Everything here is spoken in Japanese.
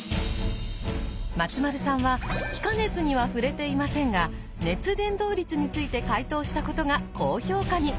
松丸さんは気化熱には触れていませんが熱伝導率について解答したことが高評価に。